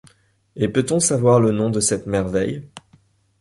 Et peut-on savoir le nom de cette merveille ?